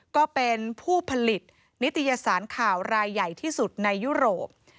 ก็เป็นผู้ผลิตนิตยสารข่าวรายใหญ่ที่สุดในยุโรป